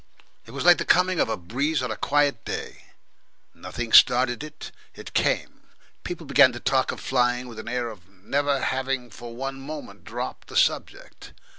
It was like the coming of a breeze on a quiet day; nothing started it, it came. People began to talk of flying with an air of never having for one moment dropped the subject.